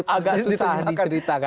agak susah diceritakan